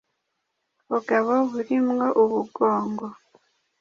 Bugabo buri mwo ubugongo